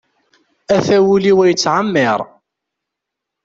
Ata wul-iw ad yettɛemmiṛ.